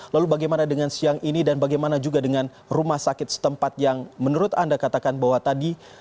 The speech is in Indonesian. lalu bagaimana dengan siang ini dan bagaimana juga dengan rumah sakit setempat yang menurut anda katakan bahwa tadi